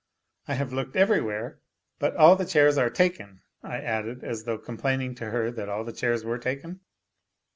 " I have looked everywhere, but all the chairs are taken," I added, as though complaining to her that all the chairs were taken.